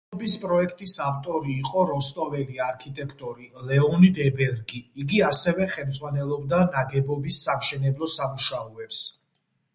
შენობის პროექტის ავტორი იყო როსტოველი არქიტექტორი ლეონიდ ებერგი, იგი ასევე ხელმძღვანელობდა ნაგებობის სამშენებლო სამუშაოებს.